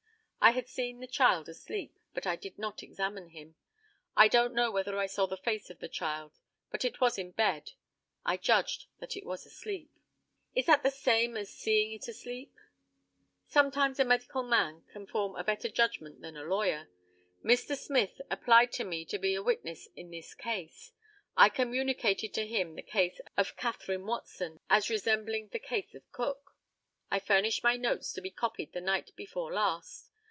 I had seen the child asleep, but I did not examine it. I don't know whether I saw the face of the child, but it was in bed; I judged that it was asleep. Is that the same as seeing it asleep? Sometimes a medical man can form a better judgment than a lawyer. Mr. Smith applied to me to be a witness in this case. I communicated to him the case of Catherine Watson, as resembling the case of Cook. I furnished my notes to be copied the night before last.